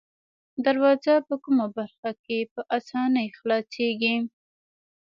دروازه په کومه برخه کې په آسانۍ خلاصیږي؟